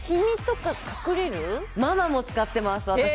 私のママも使ってます。